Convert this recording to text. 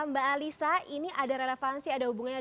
mbak alisa ini ada relevansi ada hubungannya